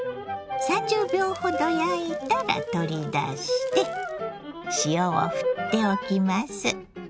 ３０秒ほど焼いたら取り出して塩をふっておきます。